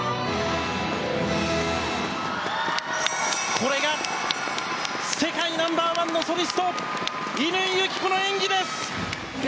これが世界ナンバーワンのソリスト乾友紀子の演技です！